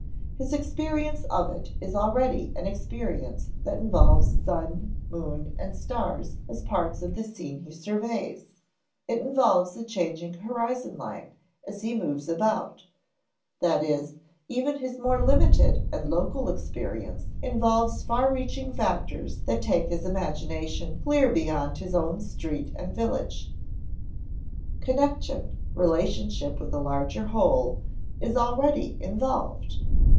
His experience of it is already an experience that involves sun, moon, and stars as parts of the scene he surveys; it involves a changing horizon line as he moves about; that is, even his more limited and local experience involves far reaching factors that take his imagination clear beyond his own street and village. Connection, relationship with a larger whole, is already involved.